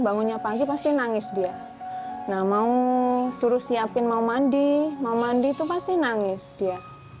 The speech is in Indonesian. bangunnya pagi pasti nangis dia nah mau suruh siapin mau mandi mau mandi itu pasti nangis dia